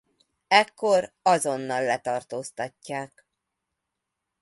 Ekkor azonnal letartóztatják.